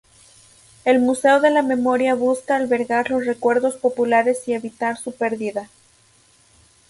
El museo de la memoria busca albergar los recuerdos populares y evitar su perdida.